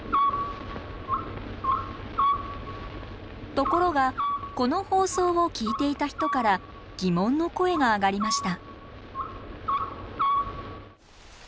ところがこの放送を聞いていた人から疑問の声が上がりました。